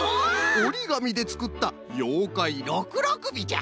おりがみでつくったようかいろくろくびじゃ。